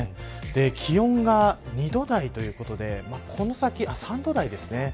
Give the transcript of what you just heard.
気温が２度台ということで３度台ですね。